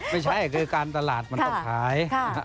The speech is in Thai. ไม่ใช่คือการตลาดมันต้องขาย